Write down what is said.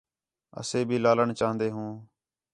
اَسے بھی لالݨ چاہن٘دے ہوں